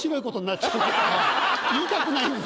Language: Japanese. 言いたくないんです。